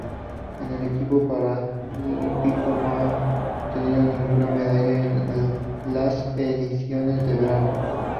El equipo paralímpico no ha obtenido ninguna medalla en las ediciones de verano.